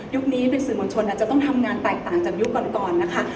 นี้เป็นสื่อมวลชนอาจจะต้องทำงานแตกต่างจากยุคก่อนนะคะ